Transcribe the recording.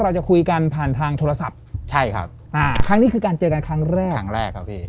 เราจะคุยกันผ่านทางโทรศัพท์ใช่ครับอ่าครั้งนี้คือการเจอกันครั้งแรกครั้งแรกครับพี่